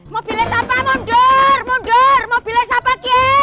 mobilnya sama mundur mundur mobilnya sama kek